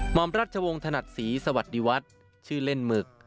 อมรัชวงศ์ถนัดศรีสวัสดีวัฒน์ชื่อเล่นหมึก